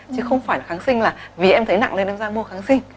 chứ không phải là kháng sinh là vì em thấy nặng nên em ra mua kháng sinh